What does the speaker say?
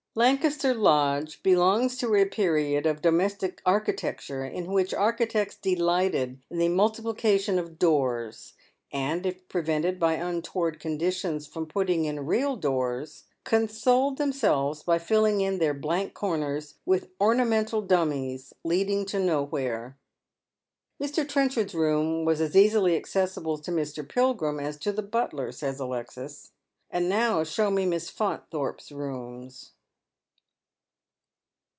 Lancaster Lodge belongs to a period of domestic architecture in which architects delighted in the multiplication of doors, and if pre vented by untoward conditions fi ora putting in real doors consoled themselves by filling in their blank corners with orna mental dummies leading to nowhere. " Mr. Trenchard's room was as easily accessible to Mr. Pilgrim ae to the butler," says Alexis. " And now show me Miss Faun thorpe's rooms."